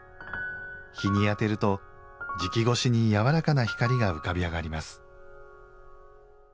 日に当てると磁器越しにやわらかな光が浮かび上がります